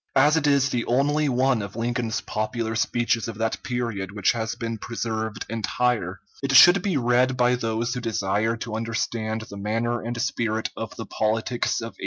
As it is the only one of Lincoln's popular speeches of that period which has been preserved entire, it should be read by those who desire to understand the manner and spirit of the politics of 1848.